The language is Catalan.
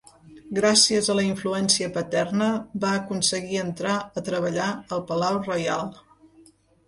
Gràcies a la influència paterna va aconseguir entrar a treballar al palau reial.